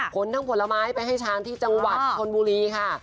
ทั้งผลไม้ไปให้ช้างที่จังหวัดชนบุรีค่ะ